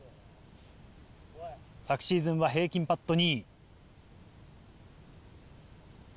昨シーズンは平均パット２位。